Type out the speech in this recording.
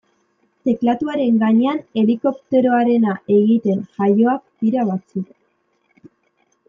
Teklatuaren gainean helikopteroarena egiten jaioak dira batzuk.